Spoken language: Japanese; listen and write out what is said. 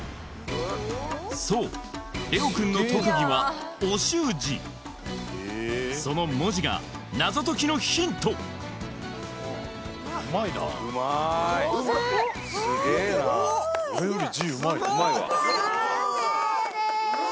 そうレオくんの特技はお習字その文字が謎解きのヒントあすごいすごっ完成です